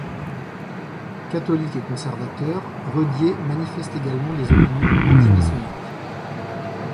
Catholique et conservateur, Redier manifeste également des opinions antimaçonniques.